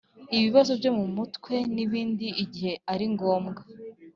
ibibazo byo mu mutwe n’ibindi igihe ari ngomb-wa,